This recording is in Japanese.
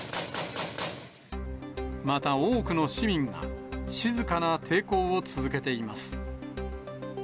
また、多くの市民が静かな抵抗を続けています。